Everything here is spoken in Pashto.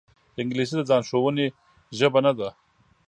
انګلیسي د ځان ښودنې ژبه نه ده